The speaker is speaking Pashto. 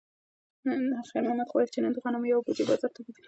خیر محمد غواړي چې نن د غنمو یوه بوجۍ بازار ته بوځي.